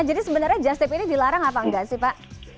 jadi sebenarnya just tip ini dilarang apa enggak sih pak